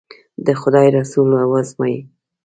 د خدای رسول و ازمایي.